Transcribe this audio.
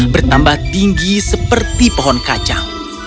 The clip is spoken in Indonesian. bertambah tinggi seperti pohon kacang